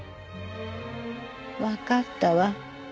わかったわ。